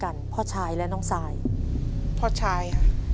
ตัวเลือกที่๔ขึ้น๘ค่ำเดือน๗